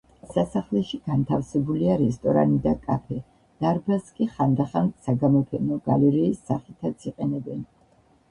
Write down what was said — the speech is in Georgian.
სასახლეში განთავსებულია რესტორანი და კაფე; დარბაზს კი ხანდახან საგამოფენო გალერეის სახითაც იყენებენ.